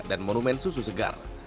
dan monumen susu segar